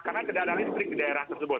karena tidak ada listrik di daerah tersebut